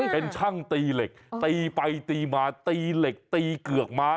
เป็นช่างตีเหล็กตีไปตีมาตีเหล็กตีเกือกม้า